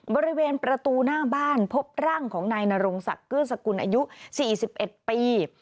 บริเวณประตูหน้าบ้านพบร่างของนายนรงศักดิ์เกื้อสกุลอายุ๔๑ปี